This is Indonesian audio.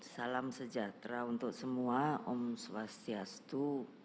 salam sejahtera untuk semua om swastiastu